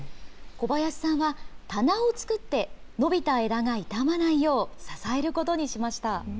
小林さんは棚を作って、伸びた枝が傷まないよう、支えることにしました。